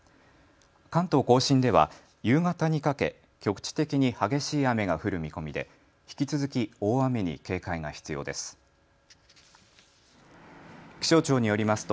関東甲信では夕方にかけ局地的に激しい雨が降る見込みで引き続き大雨に警戒が必要です。